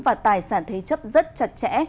và tài sản thế chấp rất chặt chẽ